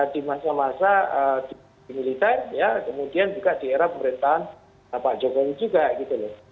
di masa masa di militer ya kemudian juga di era pemerintahan pak jokowi juga gitu loh